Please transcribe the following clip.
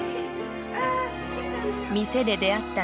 店で出会った